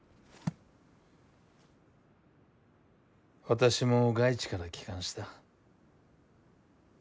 私も外地から帰還した。